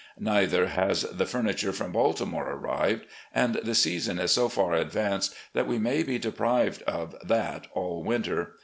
Neither has the furniture from Baltimore arrived, and the season is so far advanced that we may be deprived of that all winter.